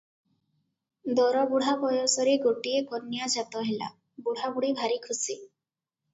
ଦରବୁଢା ବୟସରେ ଗୋଟିଏ କନ୍ୟା ଜାତ ହେଲା, ବୁଢ଼ାବୁଢ଼ୀ ଭାରି ଖୁସି ।